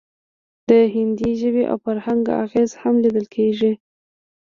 د هندي ژبې او فرهنګ اغیز هم لیدل کیږي